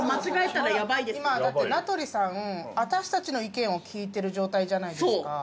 今だって名取さん私たちの意見を聞いてる状態じゃないですか。